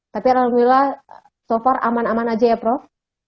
tapi alhamdulillah so far aman aman aja ya prof